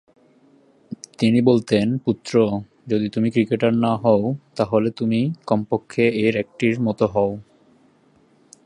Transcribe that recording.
তিনি বলতেন, পুত্র, যদি তুমি ক্রিকেটার না হও, তাহলে তুমি কমপক্ষে এর একটির মতো হও।